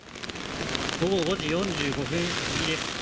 午後５時４５分過ぎです。